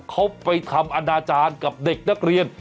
เขาไปทำอนาจารย์กับเด็กนักเรียน